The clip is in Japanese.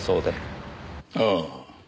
ああ。